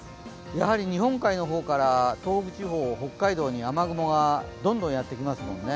やはり日本海の方から東北地方北海道に雨雲が、どんどんやってきますもんね。